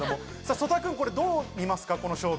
曽田君はどう見ますか？